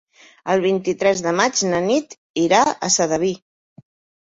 El vint-i-tres de maig na Nit irà a Sedaví.